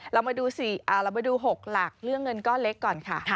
เราไปดู๖หลักเรื่องเงินก้อนเล็กก่อนค่ะ